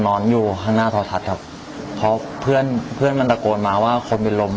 นอนอยู่ข้างหน้าโทรทัศน์ครับเพราะเพื่อนเพื่อนมันตะโกนมาว่าคนเป็นลม